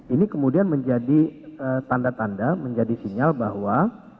ini kemudian menjadi tanda tanda menjadi sinyal bahwa